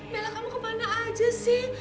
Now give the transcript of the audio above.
bella kamu kemana saja sih